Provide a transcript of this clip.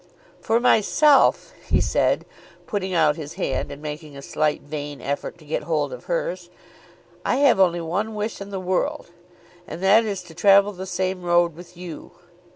"For myself," he said, putting out his hand and making a slight vain effort to get hold of hers, "I have only one wish in the world; and that is, to travel the same road with you.